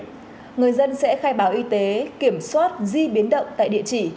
người dân sẽ khai báo y tế kiểm soát di biến động tại địa chỉ